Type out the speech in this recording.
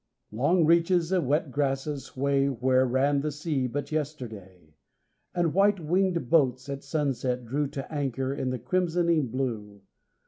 Long reaches of wet grasses sway Where ran the sea but yesterday, And white winged boats at sunset drew To anchor in the crimsoning blue.